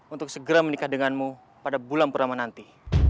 untuk segera menikah denganmu pada bulan purnama nanti